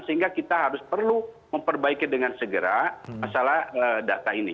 sehingga kita harus perlu memperbaiki dengan segera masalah data ini